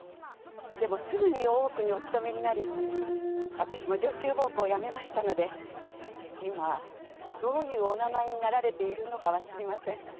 でもすぐに大奥にお勤めになりあたしも女中奉公を辞めましたので今どういうお名前になられているのかは知りません。